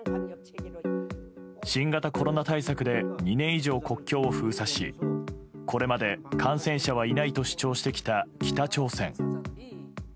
新型コロナ対策で２年以上、国境を封鎖しこれまで感染者はいないと主張してきた北朝鮮。